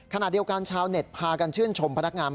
ขณะเดียวกันชาวเน็ตพากันชื่นชมพนักงาน